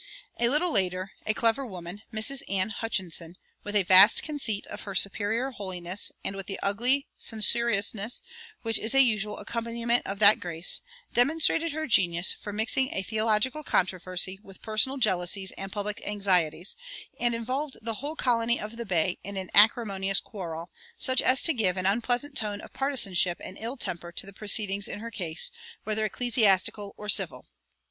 A little later, a clever woman, Mrs. Ann Hutchinson, with a vast conceit of her superior holiness and with the ugly censoriousness which is a usual accompaniment of that grace, demonstrated her genius for mixing a theological controversy with personal jealousies and public anxieties, and involved the whole colony of the Bay in an acrimonious quarrel, such as to give an unpleasant tone of partisanship and ill temper to the proceedings in her case, whether ecclesiastical or civil.